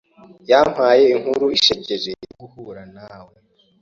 Yampaye inkuru isekeje yo guhura nawe.